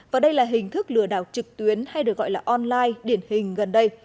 và đây là hình thức lừa đảo trực tuyến hay được gọi là online điển hình gần đây